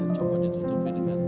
coba ditutupi dengan